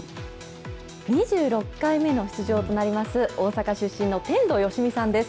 ２６回目の出場となります、大阪出身の天童よしみさんです。